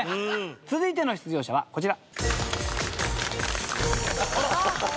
続いての出場者はこちら。